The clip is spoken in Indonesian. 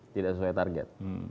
tidak sesuai target